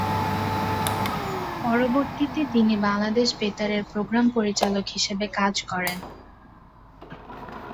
পরবর্তীতে তিনি বাংলাদেশ বেতার-এর প্রোগ্রাম পরিচালক হিসেবে কাজ করেন।